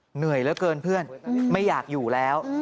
เหนื่อยเหลือเกินเพื่อนไม่อยากอยู่แล้ว